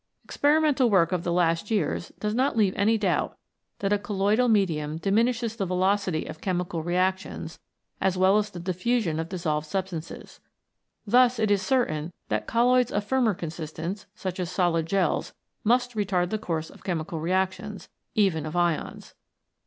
Ex perimental work of the last years does not leave any doubt that a colloidal medium diminishes the velocity of chemical reactions as well as the diffu sion of dissolved substances. Thus it is certain that colloids of firmer consistence, such as solid gels, must retard the course of chemical reactions, even of ions.